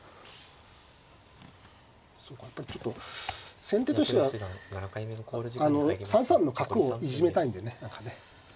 そうかやっぱりちょっと先手としてはあの３三の角をいじめたいんでね何かね。